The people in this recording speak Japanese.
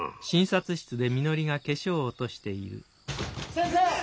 ・・先生！